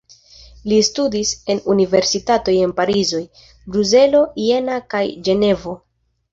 Li studis en universitatoj en Parizo, Bruselo, Jena kaj Ĝenevo.